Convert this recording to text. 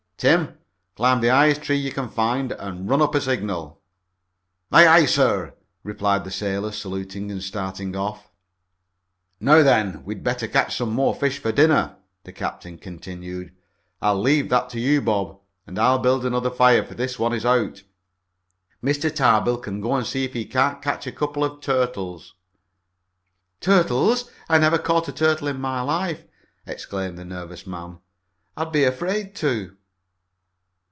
Tim, climb the highest tree you can find and run up a signal." "Aye, aye, sir," replied the sailor, saluting and starting off. "Now then, we'd better catch some more fish for dinner," the captain continued. "I'll leave that to you, Bob, and I'll build another fire, for this one is out. Mr. Tarbill can go and see if he can't catch a couple of turtles." "Turtles! I never caught a turtle in my life!" exclaimed the nervous man. "I'd be afraid to!"